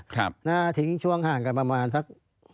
ก็จะต้องการทิ้งช่วงห่างกันประมาณสัก